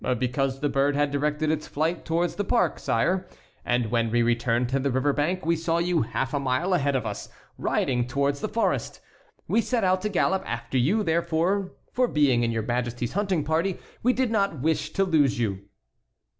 "Because the bird had directed its flight towards the park, sire, and when we returned to the river bank we saw you half a mile ahead of us, riding towards the forest. We set out to gallop after you, therefore, for being in your Majesty's hunting party we did not wish to lose you."